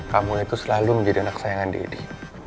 kamu itu selalu menjadi anak sayangan dedi